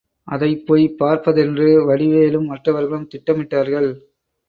அதைப் போய்ப் பார்ப்பதென்று வடிவேலும் மற்றவர்களும் திட்டமிட்டார்கள்.